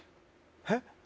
えっ！？